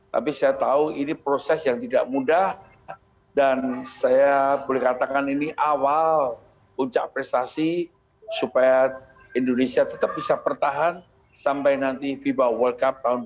tapi saya tahu ini proses yang tidak mudah dan saya boleh katakan ini awal puncak prestasi supaya indonesia tetap bisa bertahan sampai nanti fiba world cup tahun dua ribu dua puluh